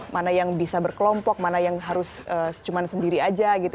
mana yang bisa berkelompok mana yang harus cuma sendiri aja gitu